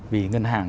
vì ngân hàng